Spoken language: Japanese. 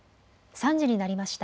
３時になりました。